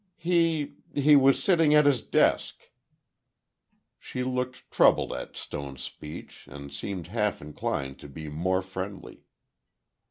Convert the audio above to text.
"He—he was sitting at his desk." She looked troubled at Stone's speech and seemed half inclined to be more friendly.